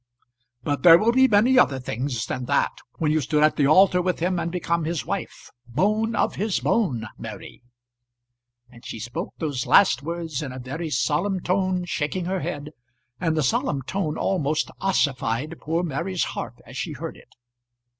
"But there will be many more things than that when you've stood at the altar with him and become his wife; bone of his bone, Mary." And she spoke these last words in a very solemn tone, shaking her head, and the solemn tone almost ossified poor Mary's heart as she heard it.